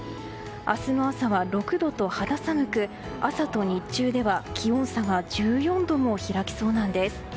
明日の朝は６度と肌寒く朝と日中では、気温差が１４度も開きそうなんです。